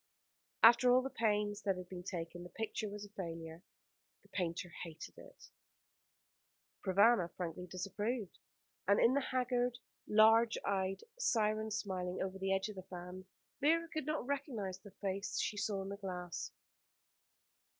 After all the pains that had been taken, the picture was a failure. The painter hated it, Provana frankly disapproved; and in the haggard, large eyed siren smiling over the edge of the fan, Vera could not recognise the face she saw in the glass.